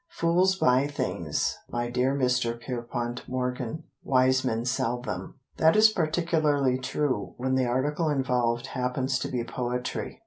Fools buy things, my dear Mr. Pierpont Morgan, Wise men sell them. That is particularly true When the article involved happens to be poetry.